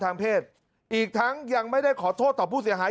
ทางเพศอีกทั้งยังไม่ได้ขอโทษต่อผู้เสียหาย